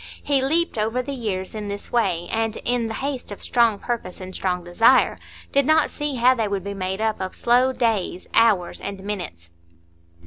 He leaped over the years in this way, and, in the haste of strong purpose and strong desire, did not see how they would be made up of slow days, hours, and minutes.